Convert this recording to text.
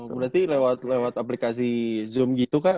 berarti lewat aplikasi zoom gitu kak